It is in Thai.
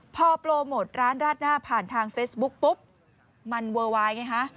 พอโปรโมทร้านราดหน้าผ่านทางเฟซบุ๊กปุ๊บมันเวอร์วายไงฮะ